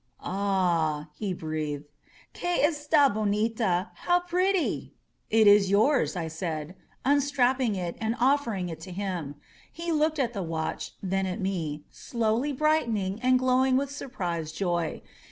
"Ah," he breathed. QiLe esta bonita! How pretty !" "It is yours," said I, unstrapping it and offering it to him. He looked at the watch, then at me, slowly brightening and glowing with surprised joy.